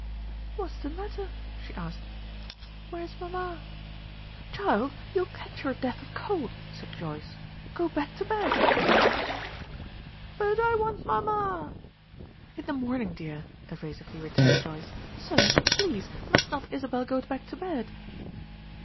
"What's the matter?" she asked. "Where's mamma?" "Child, you'll catch your death of cold," said Joyce. "Go back to bed." "But I want mamma." "In the morning, dear," evasively returned Joyce. "Sir, please, must not Isabel go back to bed?"